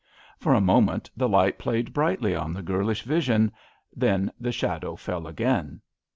For a moment the light played brightly on the girlish vision, then the shadow fell again.